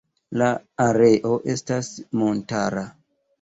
La areo estas montara.